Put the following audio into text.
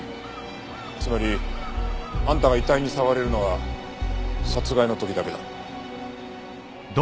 つまりあんたが遺体に触れるのは殺害の時だけだ。